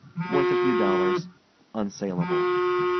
Worth a few dollars. Unsalable.